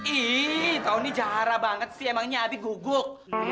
ih kau ini jarah banget sih emangnya abi guguk